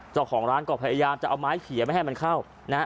เจ้าของร้านก็พยายามจะเอาไม้เขียไม่ให้มันเข้านะฮะ